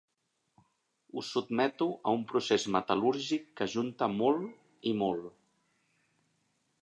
Ho sotmeto a un procés metal·lúrgic que ajunta molt i molt.